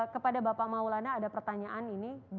kepada bapak maulana ada pertanyaan ini